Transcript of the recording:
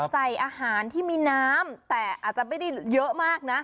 ใส่อาหารที่มีน้ำแต่อาจจะไม่ได้เยอะมากนะ